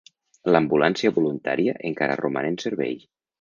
L'ambulància voluntària encara roman en servei.